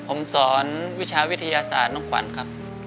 ผมสอนวิชาวิทยาศาสตร์น้องขวัญครับ